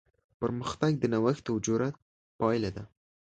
پرمختګ د نوښت او جرات پایله ده.